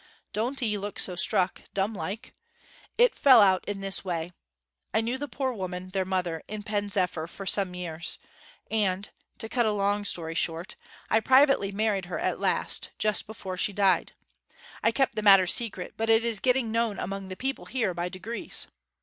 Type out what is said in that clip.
Don't 'ee look so struck dumb like! It fell out in this way. I knew the poor woman, their mother, in Pen zephyr for some years; and to cut a long story short I privately married her at last, just before she died. I kept the matter secret, but it is getting known among the people here by degrees.